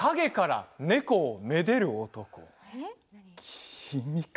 君か。